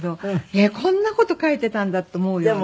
えっこんな事書いてたんだと思うような。